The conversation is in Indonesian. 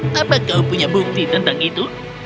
kenapa kau punya bukti tentang itu